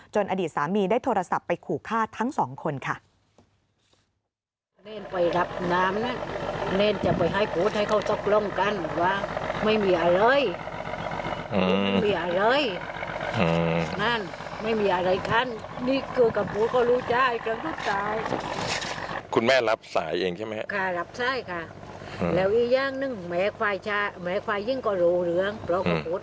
อดีตสามีได้โทรศัพท์ไปขู่ฆ่าทั้งสองคนค่ะ